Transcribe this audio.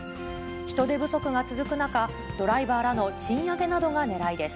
人手不足が続く中、ドライバーらの賃上げなどがねらいです。